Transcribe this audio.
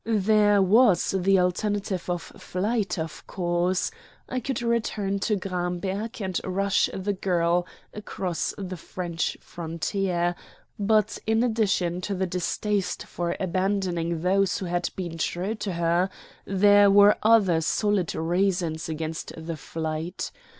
There was the alternative of flight, of course; I could return to Gramberg and rush the girl across the French frontier; but in addition to the distaste for abandoning those who had been true to her, there were other solid reasons against the flight.